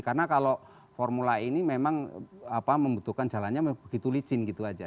karena kalau formula ini memang membutuhkan jalannya begitu licin gitu aja